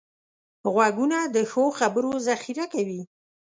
غوږونه د ښو خبرو ذخیره کوي